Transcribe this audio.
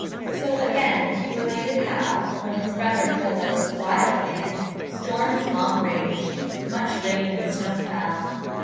So again he related how, when his brother killed a "wild man," storms long raged, much rain and snow fell.